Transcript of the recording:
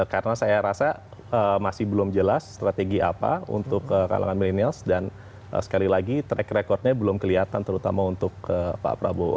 karena saya rasa masih belum jelas strategi apa untuk kalangan millennials dan sekali lagi track recordnya belum kelihatan terutama untuk pak prabowo